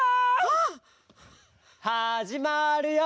はじまるよ！